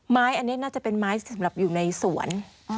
ไม้อันนี้น่าจะเป็นไม้สำหรับอยู่ในสวน